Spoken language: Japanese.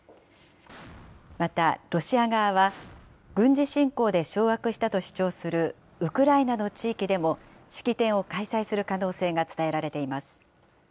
また、ロシア側は、軍事侵攻で掌握したと主張するウクライナの地域でも、式典を開催する可能性が伝えられています。